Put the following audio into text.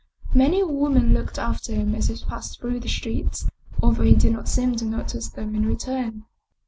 Many a woman looked after him as he passed through the streets, although he did not seem to notice them in return.